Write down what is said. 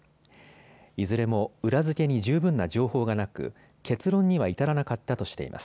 いずれも裏付けに十分な情報がなく結論には至らなかったとしています。